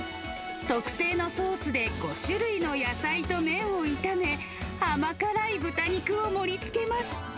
特製のソースで５種類の野菜と麺を炒め、甘辛い豚肉を盛りつけます。